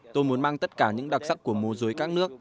tôi muốn mang tất cả những đặc sắc của múa dối các nước